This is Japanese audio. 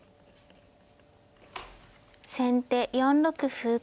先手４六歩。